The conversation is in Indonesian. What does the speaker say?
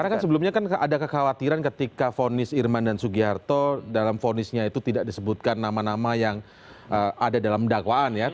karena kan sebelumnya kan ada kekhawatiran ketika vonis irman dan sugiharto dalam vonisnya itu tidak disebutkan nama nama yang ada dalam dakwaan ya